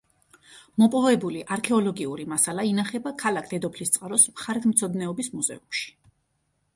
მოპოვებული არქეოლოგიური მასალა ინახება ქალაქ დედოფლისწყაროს მხარეთმცოდნეობის მუზეუმში.